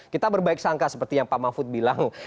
kita berbaik sangka seperti yang pak mahfud bilang